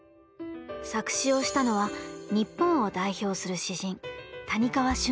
作詞をしたのは日本を代表する詩人谷川俊太郎さんです。